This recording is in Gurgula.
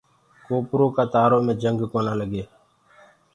ڪوپرو ڪآ تآرو مي جنگ ڪونآ لگي۔